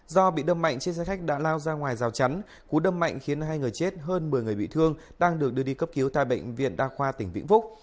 do bị đâm mạnh trên xe khách đã lao ra ngoài rào chắn cú đâm mạnh khiến hai người chết hơn một mươi người bị thương đang được đưa đi cấp cứu tại bệnh viện đa khoa tỉnh vĩnh phúc